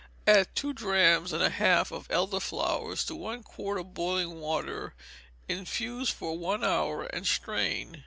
Add two drachms and a half of elder flowers to one quart of boiling water, infuse for one hour, and strain.